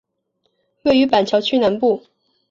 位于板桥区南部。